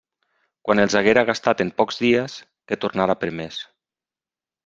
Quan els haguera gastat en pocs dies, que tornara per més.